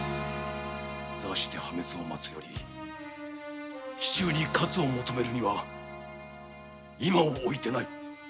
座して破滅を待つより死中に活を求めるには今をおいてない。